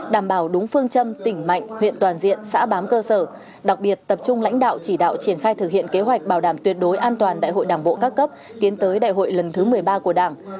đảm bảo đúng phương châm tỉnh mạnh huyện toàn diện xã bám cơ sở đặc biệt tập trung lãnh đạo chỉ đạo triển khai thực hiện kế hoạch bảo đảm tuyệt đối an toàn đại hội đảng bộ các cấp tiến tới đại hội lần thứ một mươi ba của đảng